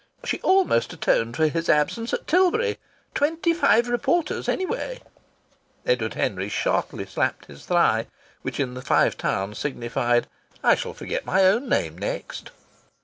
She almost atoned for his absence at Tilbury. Twenty five reporters, anyway!" Edward Henry sharply slapped his thigh, which in the Five Towns signifies: "I shall forget my own name next."